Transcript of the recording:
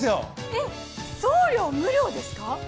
えっ送料無料ですか？